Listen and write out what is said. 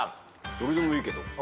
どこでもいいけど。